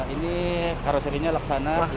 ini karuserinya laksana lekasi